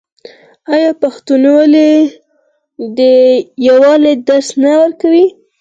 آیا پښتونولي د یووالي درس نه ورکوي؟